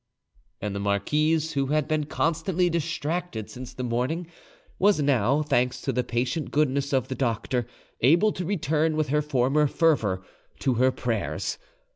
And the marquise, who had been constantly distracted since the morning, was now, thanks to the patient goodness of the doctor, able to return with her former fervour to her prayers.